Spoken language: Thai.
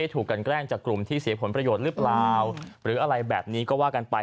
ถูกกันแกล้งจากกลุ่มที่เสียผลประโยชน์หรือเปล่าหรืออะไรแบบนี้ก็ว่ากันไป